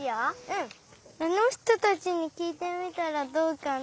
あのひとたちにきいてみたらどうかな。